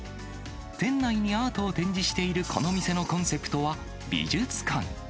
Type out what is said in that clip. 店内にアートを展示しているこの店のコンセプトは、美術館。